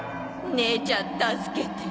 姉ちゃん助けて。